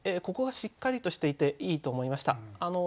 ここがしっかりとしていていいと思いました。